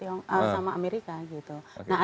tidak kita harus mengembangkan china sama amerika